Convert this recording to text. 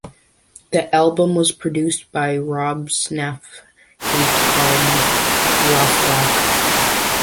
The album was produced by Rob Schnapf and Tom Rothrock.